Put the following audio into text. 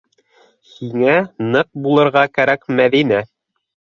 Һиңә ныҡ булырға кәрәк, Мәҙинә.